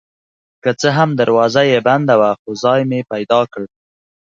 که څه هم دروازه یې بنده وه خو ځای مې پیدا کړ.